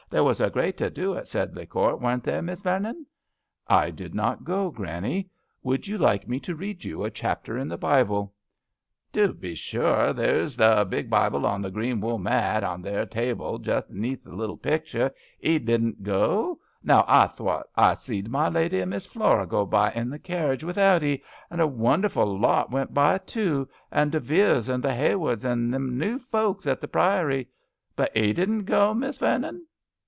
There was a great to do at Sedley Court, wasn't there, Miss Vernon ?"" I did not go, Granny Would you like me to read you a chapter in the Bible ?"" To be sure. There's the big Bible on the green wool mat on that there table, jest aneath the little picturs. 'Ee dedn't go? Now I thowt I zeed my lady and Miss Flora go by i' the carriage wi'out 'ee ; and a won derful lawt went by too ; the De Veres, and the Haywards, and them new folks at the Priory. But 'ee dedn't go. Miss Vernon